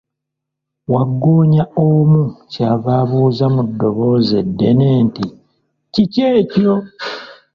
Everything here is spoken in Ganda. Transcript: Wagggoonya omu ky'ava abuuza mu ddoboozi eddene nti, Kiki ekyo?